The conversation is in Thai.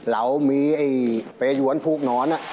เรามีไอ้เปรยวนภูกนอน